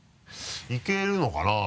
いけるのかなぁ？